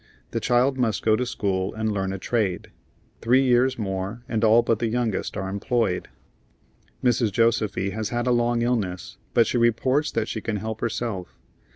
The child must go to school and learn a trade. Three years more, and all but the youngest are employed. Mrs. Josefy has had a long illness, but she reports that she can help herself.